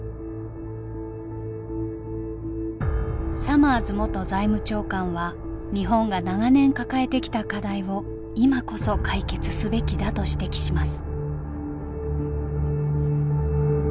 サマーズ元財務長官は日本が長年抱えてきた課題を今こそ解決すべきだと指摘します。